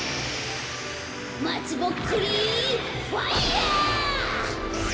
まつぼっくりファイアー！